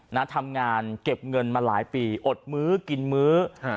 นะทำงานเก็บเงินมาหลายปีอดมื้อกินมื้อฮะ